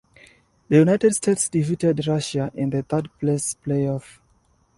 The United States defeated Russia in the third-place playoff.